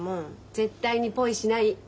絶対にポイしない。